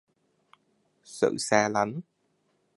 sự xa lánh